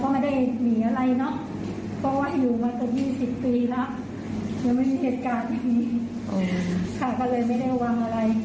ผิดตัวละหมดนั้น